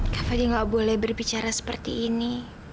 kak fadil gak boleh berbicara seperti ini